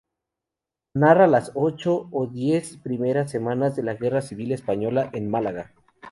Narra las ocho o diez primeras semanas de la Guerra Civil Española en Málaga.